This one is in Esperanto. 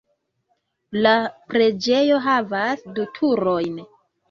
La preĝejo havas du turojn.